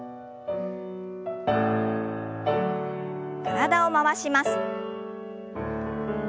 体を回します。